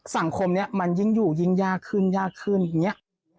สังคมนี้มันยิ่งอยู่ยิ่งยากขึ้นยากขึ้นอย่างนี้